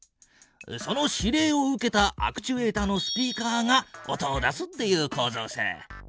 その指令を受けたアクチュエータのスピーカーが音を出すっていうこうぞうさ。